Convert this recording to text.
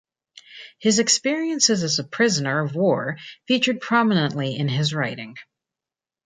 His experiences as a prisoner of war featured prominently in his writing.